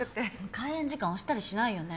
開演時間おしたりしないよね？